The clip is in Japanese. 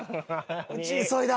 打ち急いだ。